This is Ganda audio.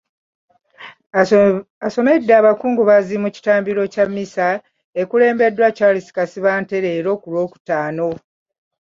Asomedde abakungubazi mu kitambiro kya mmisa ekikulembeddwamu Charles Kasibante leero ku Lwokutaano.